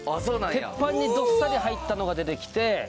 鉄板にどっさり入ったのが出てきて。